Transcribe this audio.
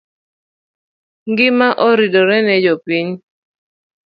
Ngima oridore ne jopiny